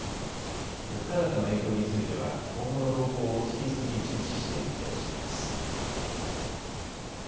物価高の影響については今後の動向を引き続き注視していくとしています。